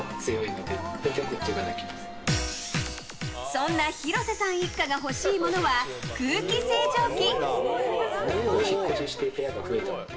そんな廣瀬さん一家が欲しいものは空気清浄機。